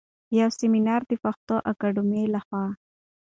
يو سمينار د پښتو اکاډمۍ لخوا